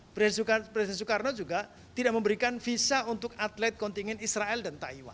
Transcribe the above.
presiden soekarno juga tidak memberikan visa untuk atlet kontingin israel dan taiwan